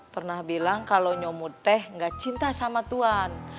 pernah bilang kalau nyomud teh enggak cinta sama tuhan